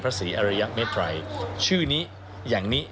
พระศรีอรุยะเมตรัย